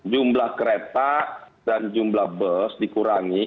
jumlah kereta dan jumlah bus dikurangi